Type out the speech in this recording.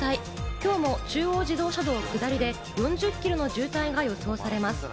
今日も中央自動車道下りで４０キロの渋滞が予想されます。